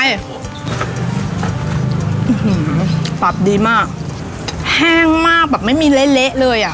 ปรับดีมากแห้งมากแบบไม่มีเละเละเลยอ่ะ